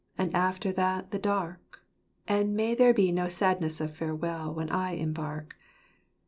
And after that the dark ; And may there be no sadness of farewell When I embark.